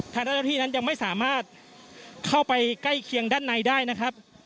เจ้าหน้าที่นั้นยังไม่สามารถเข้าไปใกล้เคียงด้านในได้นะครับ